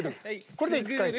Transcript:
これで１回です。